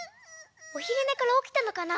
おひるねからおきたのかな？